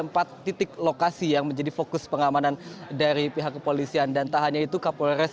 empat titik lokasi yang menjadi fokus pengamanan dari pihak kepolisian dan tak hanya itu kapolres